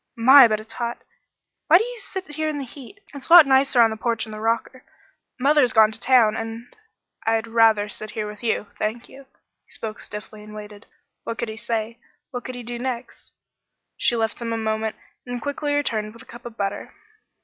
"My, but it's hot! Why do you sit here in the heat? It's a lot nicer on the porch in the rocker. Mother's gone to town and " "I'd rather sit here with you thank you." He spoke stiffly and waited. What could he say; what could he do next? She left him a moment and quickly returned with a cup of butter.